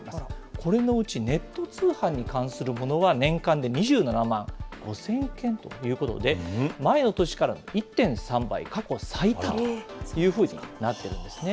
これのうち、ネット通販に関するものは、年間で２７万５０００件ということで、前の年から１．３倍、過去最多というふうになっているんですね。